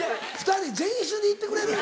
２人前室に行ってくれる？